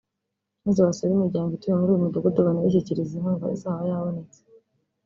maze basure imiryango ituye muri uyu mudugudu banayishyikirize inkunga izaba yabonetse